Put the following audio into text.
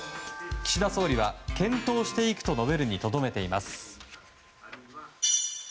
岸田総理は検討していくと述べるにとどめています。